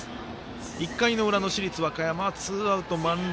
１回の裏、市立和歌山はツーアウト、満塁。